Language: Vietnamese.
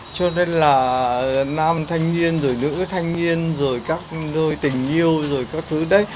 cho nên là nam thanh niên rồi nữ thanh niên rồi các đôi tình yêu rồi các thứ đấy